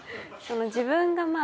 自分がまあ。